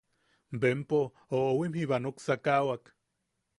Bempo, oʼowim jiba, nuksakawak.